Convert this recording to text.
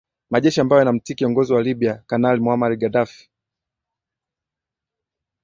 majeshi ambayo yanamtii kiongozi wa libya kanali muammar gaddafi